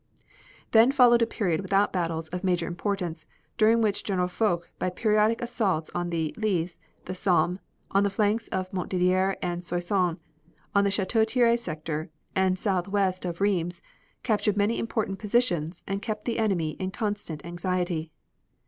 Then followed a period without battles of major importance, during which General Foch by periodic assaults on the Lys, the Somme, on the flanks of Montdidier and Soissons, on the Chateau Thierry sector and southwest of Rheims, captured many important positions and kept the enemy in constant anxiety.